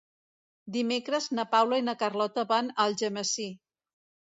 Dimecres na Paula i na Carlota van a Algemesí.